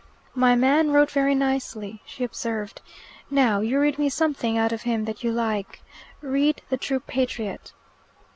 "My man wrote very nicely," she observed. "Now, you read me something out of him that you like. Read 'The True Patriot.